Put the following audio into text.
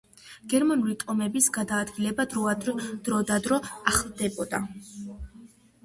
გერმანელი ტომების გადაადგილება დროდადრო ახლდებოდა.